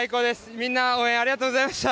みんな、応援ありがとうございました！